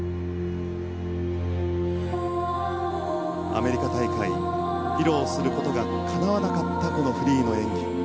アメリカ大会披露することがかなわなかったこのフリーの演技。